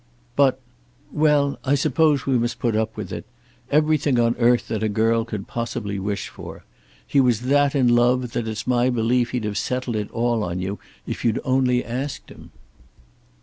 "But . Well; I suppose we must put up with it. Everything on earth that a girl could possibly wish for! He was that in love that it's my belief he'd have settled it all on you if you'd only asked him."